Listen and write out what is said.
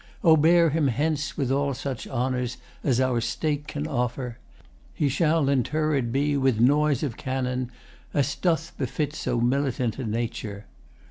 O bear him hence With all such honours as our State can offer. He shall interred be with noise of cannon, As doth befit so militant a nature.